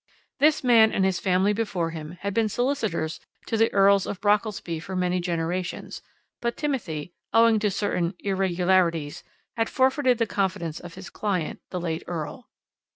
This man, and his family before him, had been solicitors to the Earls of Brockelsby for many generations, but Timothy, owing to certain 'irregularities,' had forfeited the confidence of his client, the late earl.